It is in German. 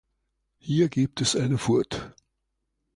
Hier gibt es eine Furt.